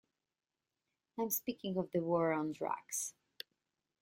I am speaking of the war on drugs.